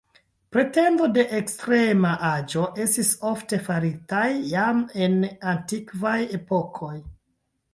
Pretendo de ekstrema aĝo estis ofte faritaj, jam en antikvaj epokoj.